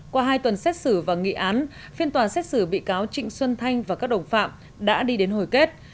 qua hai tuần xét xử và nghị án phiên tòa xét xử bị cáo trịnh xuân thanh và các đồng phạm đã đi đến hồi kết